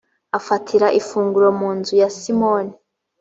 afatira ifunguro mu nzu ya simoni